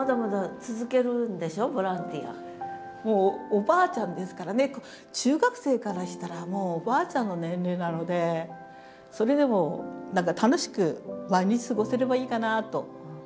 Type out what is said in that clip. もうおばあちゃんですからね中学生からしたらもうおばあちゃんの年齢なのでそれでも何か楽しく毎日過ごせればいいかなと思ってます。